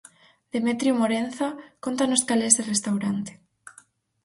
Demetrio Morenza, cóntanos cal é ese restaurante.